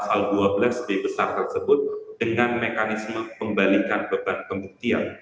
ketika ini saya ingin mengucapkan kembali ke penyelidikan yang tersebut dengan mekanisme pembalikan beban pembuktian